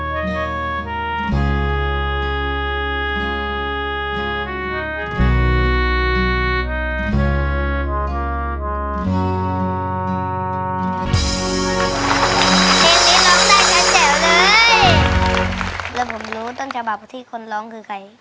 เพลงนี้ร้องได้แจ๋วเลยแล้วผมรู้ต้นฉบับที่คนร้องคือใคร